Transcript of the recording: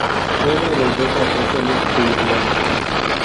Fue uno de los Doce apóstoles de Irlanda.